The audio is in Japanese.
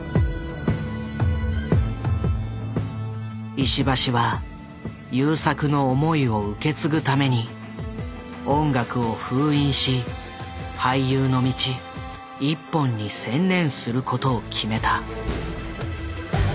石橋は優作の思いを受け継ぐために音楽を封印し俳優の道一本に専念することを決めた。